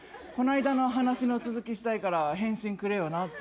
「この間の話の続きしたいから返信くれよな」